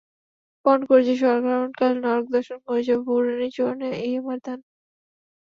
পণ করেছি, স্বর্গারোহণকালে নরকদর্শন করে যাব, বউরানীর চরণে এই আমার দান।